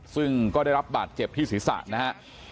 ซึ่งก็ได้รับบาดเจ็บที่ศีรษะนะฮะ